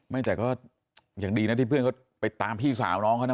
ไม่แต่ก็ยังดีนะที่เพื่อนเขาไปตามพี่สาวน้องเขานะ